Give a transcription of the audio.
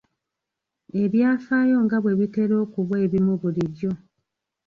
Ebyafaayo nga bwe bitera okuba ebimu bulijjo.